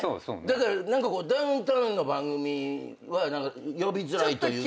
だからダウンタウンの番組は呼びづらいというか。